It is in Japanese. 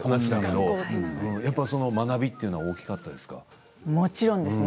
学校つながりで学びというのは大きかったですか。